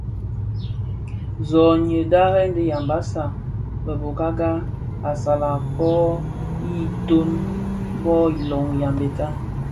Zonйyi dharèn dhi Yambassa be a bokaka assalaKon=ňyi toň bil iloň Yambéta.